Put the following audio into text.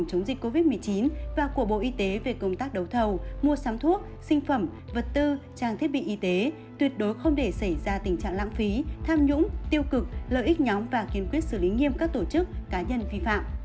công tác của bộ y tế về công tác đấu thầu mua sắm thuốc sinh phẩm vật tư trang thiết bị y tế tuyệt đối không để xảy ra tình trạng lãng phí tham nhũng tiêu cực lợi ích nhóm và kiến quyết xử lý nghiêm các tổ chức cá nhân phi phạm